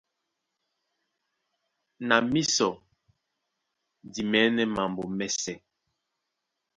Na mísɔ di mɛ̌nɛ́ mambo mɛ́sɛ̄.